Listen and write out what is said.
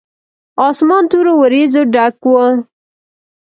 اسمان تورو وريځو ډک و.